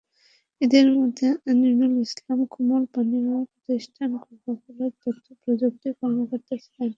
এঁদের মধ্যে আমিনুল ইসলাম কোমল পানীয় প্রতিষ্ঠান কোকাকোলার তথ্যপ্রযুক্তি কর্মকর্তা ছিলেন।